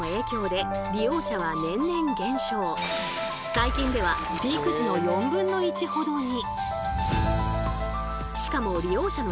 最近ではピーク時の４分の１ほどに。